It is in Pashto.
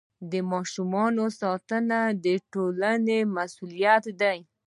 د ماشومانو ساتنه د ټولنې مسؤلیت دی.